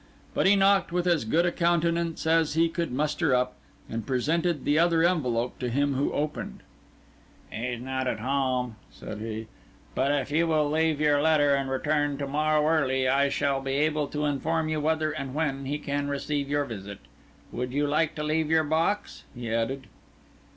But he knocked with as good a countenance as he could muster up, and presented the other envelope to him who opened. "He is not at home," said he, "but if you will leave your letter and return to morrow early, I shall be able to inform you whether and when he can receive your visit. Would you like to leave your box?" he added.